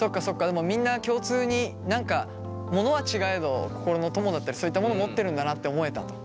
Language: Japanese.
でもみんな共通に何かモノは違えど心の友だったりそういったモノを持ってるんだなって思えたと。